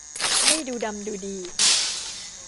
ไม่ดูดำดูดี